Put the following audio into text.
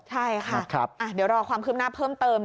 ใช่ค่ะเดี๋ยวรอความคืบหน้าเพิ่มเติม